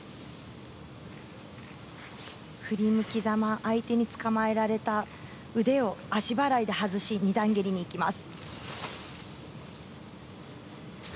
振り向きざま相手につかまえられた腕を足払いで外し２段蹴りにいきます。